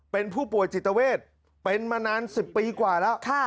เป็นผู้ป่วยจิตเวทเป็นมานาน๑๐ปีกว่าแล้ว